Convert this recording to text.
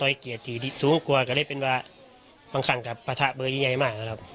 โดยเกียจที่สูงกว่าก็เลยเป็นว่าบางครั้งกับปฏิบัติเบอร์ยิ่งใหญ่มากนะครับ